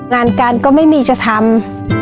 งานการก็ไม่มีจะทำ